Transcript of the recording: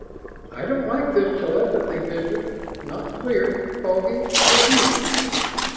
I don't like this telepathy business ... not clear ... foggy, diffuse ...